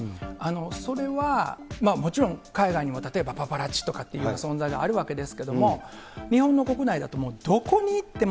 それは、もちろん海外にも例えばパパラッチとかっていう存在があるわけですけれども、日本の国内だともうどこに行っても。